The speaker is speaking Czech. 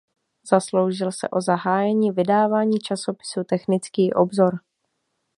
Zasloužil se o zahájení vydávání časopisu "Technický obzor".